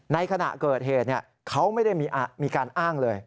ในขณะเกิดเหตุเขาไม่ได้มีการอ้างเลย